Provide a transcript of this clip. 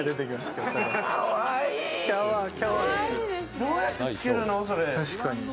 どうやってつけるのそれ？